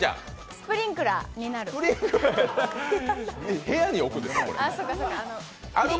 スプリンクラーになる。